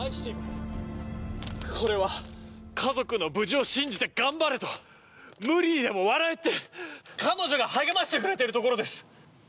これは家族の無事を信じて頑張れと、無理にでも笑えって彼女が励ましてくれているところです。